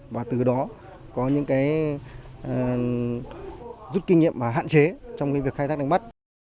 và từ đó có những cái rút kinh nghiệm và hạn chế trong cái việc khai thác đánh bắt